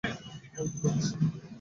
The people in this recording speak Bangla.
ফালতু বকিস না।